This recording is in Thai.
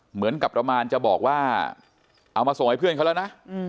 เหมือนกับประมาณจะบอกว่าเอามาส่งให้เพื่อนเขาแล้วนะ